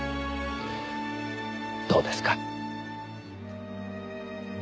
どうですか？